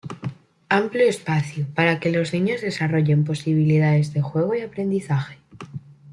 Amplio espacio, para que los niños desarrollen posibilidades de juegos y aprendizaje.